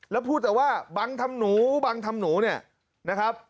แล้วพูดแต่ว่าบังทำหนูบังทำหนูเนี่ยนะครับ